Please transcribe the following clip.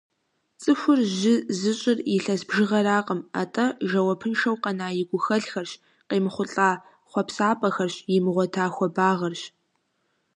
Цӏыхур жьы зыщӏыр илъэс бжыгъэракъым, атӏэ жэуапыншэу къэна и гухэлъхэрщ, къеймыхъулӏа хъуэпсапӏэхэрщ, имыгъуэта хуэбагъэрщ.